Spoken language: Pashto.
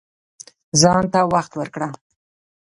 ځان ته وخت ورکړه